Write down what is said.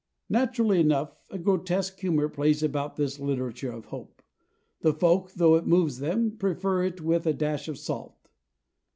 Naturally enough, a grotesque humor plays about this literature of hope; the folk, though it moves them, prefer it with a dash of salt.